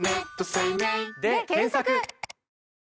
で検索！